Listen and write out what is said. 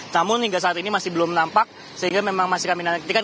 namun hingga saat ini masih belum nampak sehingga memang masih kami nantikan